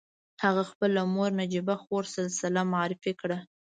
هغه خپله مور نجيبه خور سلسله معرفي کړه.